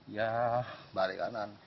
ya balik kanan